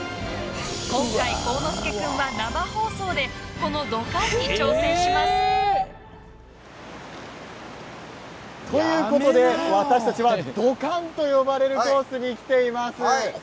今回、幸之介君は生放送でこの「ドカン」に挑戦します！ということで、私たちはドカンと呼ばれるコースに来ています。